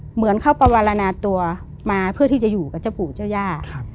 เหมือนเขาประวารณาตัวมาเพื่อที่จะอยู่กับเจ้าปู่เจ้าย่า